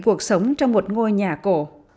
cuộc sống trong một ngôi nhà cổ